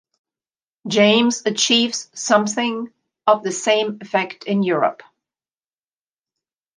James achieves something of the same effect in "Europe".